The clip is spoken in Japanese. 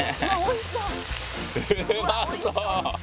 うまそう！